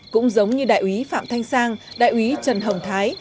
cũng giống như đại úy phạm thanh sang đại úy trần hồng thái